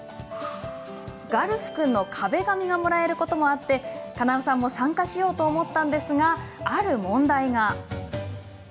ガルフ君の壁紙がもらえることもあって叶さんも参加しようと思ったんですが、ある問題が。